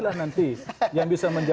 oh ada yang berani ada